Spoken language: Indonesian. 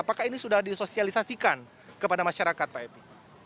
apakah ini sudah disosialisasikan kepada masyarakat pak epi